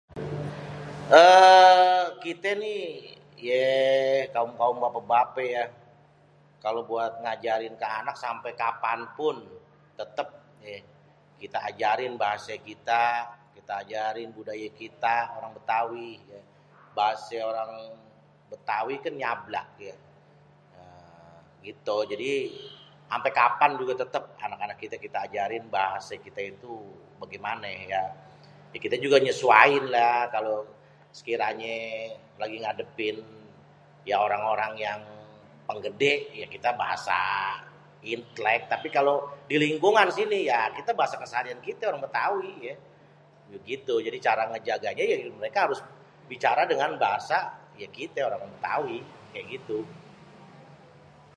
eee kite nih, [ye] kaum-kaum bapa-bape [ya] kalo buat ngajarin keanak sampe kapan pun tetep [ye], kita ajarin bahase kita, kita ajarin budaye kita orang betawi [ye] bahase orang betawi tuh nyablak die eee gitu jadi, ampe kapan juga tetep, anak-anak kite ajarin bahase kite itu begimane [ya], [ya] kite juga menyesuaiin lah kalo sekiranye lagi ngadepin ya orang-orang yang, penggede ya kita bahasa laen, [ya] tapi kalo di lingkungan sini [ya] kite pake bahase seharian kite betawi [ya], begitu jadi cara ngejaganye mereka harus bicara dengan bahasa ya kite orang betawi [ya] kaya gitu.